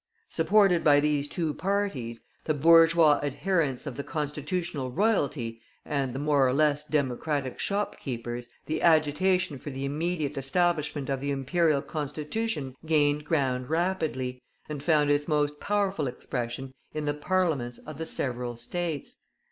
Supported by these two parties, the bourgeois adherents of the Constitutional Royalty, and the more or less Democratic shopkeepers, the agitation for the immediate establishment of the Imperial Constitution gained ground rapidly, and found its most powerful expression in the Parliaments of the several States.